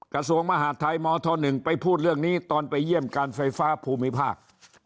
กระทรวงมหาดไทยมธ๑ไปพูดเรื่องนี้ตอนไปเยี่ยมการไฟฟ้าภูมิภาค